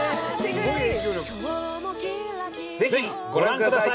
ぜひご覧ください！